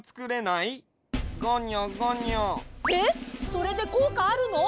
それでこうかあるの？